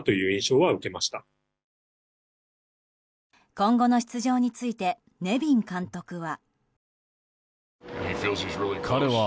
今後の出場についてネビン監督は。